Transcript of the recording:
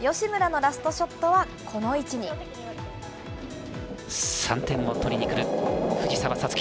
吉村のラストショットはこの位置３点を取りにくる、藤澤五月。